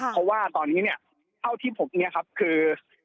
เพราะว่าตอนนี้เนี่ยเท่าที่ผมเนี่ยครับคือ